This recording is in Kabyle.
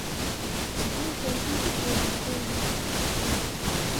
Tettban terwi ugar n waya.